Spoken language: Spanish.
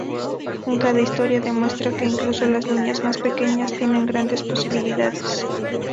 En cada historia demuestran que incluso las niñas más pequeñas tienen grandes posibilidades.